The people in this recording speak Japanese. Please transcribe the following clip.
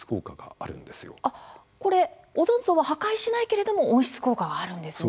これオゾン層は破壊しないけれども温室効果はあるんですね。